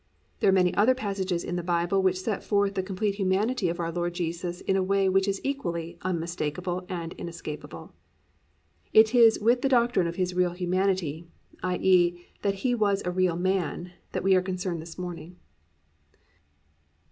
There are many other passages in the Bible which set forth the complete humanity of our Lord Jesus in a way which is equally unmistakable and inescapable. It is with the doctrine of His real humanity, i.e., that He was a real man, that we are concerned this morning.